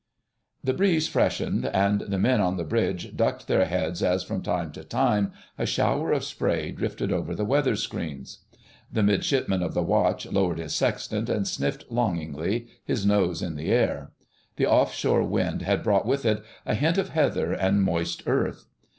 The breeze freshened, and the men on the bridge ducked their heads as from time to time a shower of spray drifted over the weather screens. The Midshipman of the Watch lowered his sextant and sniffed longingly, his nose in the air; the off shore wind had brought with it a hint of heather and moist earth.